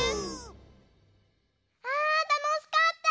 あたのしかった！ね。